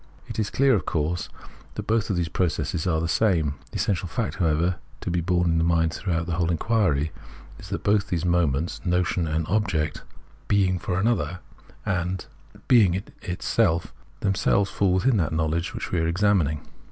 It is clear, of course, that both of these processes are the same. The essential fact, however, to be borne in mind throughout the whole inquiry is that both these moments, notion and object, " being for another " and " being in itself," themselves fall within that knowledge which we are examining.